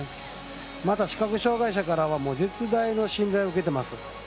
視覚障がい者からは絶大の信頼を受けてます。